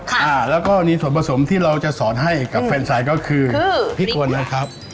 ค่ะแล้วก็มีส่วนผสมที่เราจะสอนให้กับแฟนชายก็คือพี่กวนนะครับ